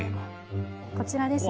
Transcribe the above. こちらですね。